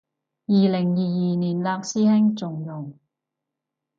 二零二二年嘞師兄，仲用